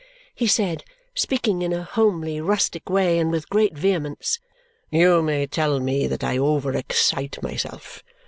he said, speaking in a homely, rustic way and with great vehemence. "You may tell me that I over excite myself.